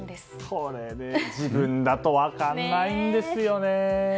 これ自分だと分からないんですよね。